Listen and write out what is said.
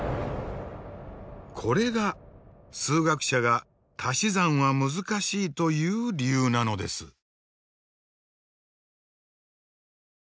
これが数学者がたし算は難しいという理由なのです。